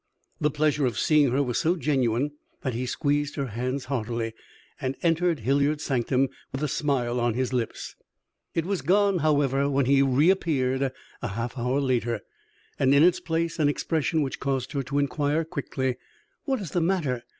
The pleasure of seeing her was so genuine that he squeezed her hands heartily, and entered Hilliard's sanctum with a smile on his lips. It was gone, however, when he reappeared a half hour later, and in its place an expression which caused her to inquire, quickly, "What is the matter?